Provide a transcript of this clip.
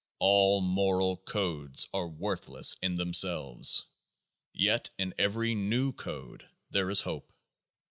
All moral codes are worthless in themselves ; yet in every new code there is hope.